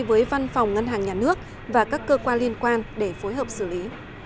với văn phòng ngân hàng nhà nước và các cơ quan liên quan để phối hợp xử lý